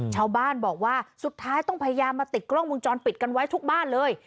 ชาวบ้านบอกว่าสุดท้ายต้องพยายามมาติดกล้องวงจรปิดกันไว้ทุกบ้านเลย